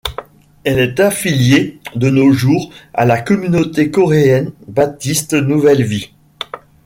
Elle est affiliée de nos jours à la communauté coréenne baptiste Nouvelle vie.